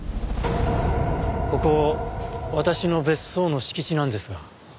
ここ私の別荘の敷地なんですが。